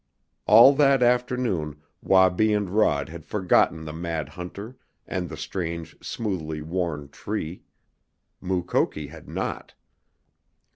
All that afternoon Wabi and Rod had forgotten the mad hunter and the strange, smoothly worn tree. Mukoki had not.